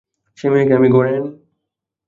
সে মেয়েকে আমি ঘরে আনি?